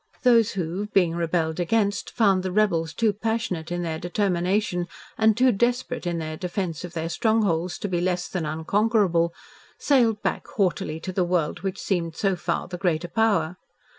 Those who, being rebelled against, found the rebels too passionate in their determination and too desperate in their defence of their strongholds to be less than unconquerable, sailed back haughtily to the world which seemed so far the greater power.